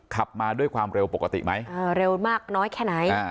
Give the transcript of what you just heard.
ขับมาด้วยความเร็วปกติไหมเร็วมากน้อยแค่ไหน